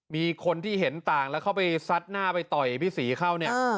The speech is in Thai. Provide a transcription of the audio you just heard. มีคนที่เห็นต่างแล้วเข้าไปซัดหน้าไปต่อยพี่ศรีเข้าเนี่ย